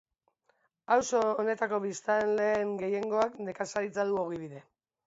Auzo honetako biztanleen gehiengoak nekazaritza du ogibide.